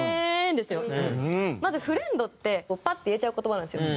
まず「フレンド」ってパッて言えちゃう言葉なんですよ。